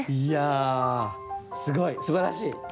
いやすごいすばらしい。